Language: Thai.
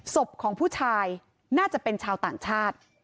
ศพของผู้ชายน่าจะเป็นชาวต่างชาติ